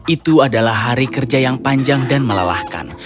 itu adalah hari kerja yang panjang dan melelahkan